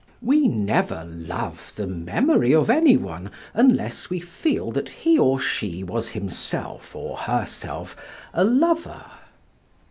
We never love the memory of any one unless we feel that he or she was himself or herself a lover.